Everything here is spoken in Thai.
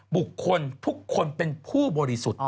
บุคคลทุกคนเป็นผู้บริสุทธิ์